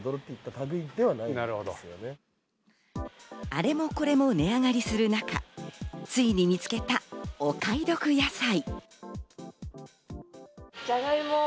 あれもこれも値上がりする中、ついに見つけたお買い得野菜。